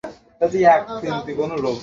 ঐযে দেখছো, এটা একটা ভ্যাম্পায়ার।